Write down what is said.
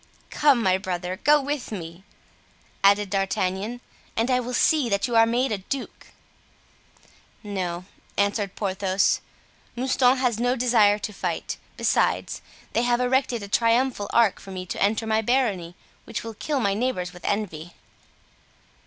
"Come my brother, go with me," added D'Artagnan, "and I will see that you are made a duke!" "No," answered Porthos, "Mouston has no desire to fight; besides, they have erected a triumphal arch for me to enter my barony, which will kill my neighbors with envy."